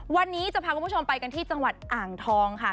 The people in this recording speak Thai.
วันนี้จะพาคุณผู้ชมไปกันที่จังหวัดอ่างทองค่ะ